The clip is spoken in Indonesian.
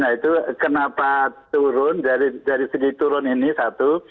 nah itu kenapa turun dari segi turun ini satu